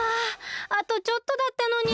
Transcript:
ああとちょっとだったのに。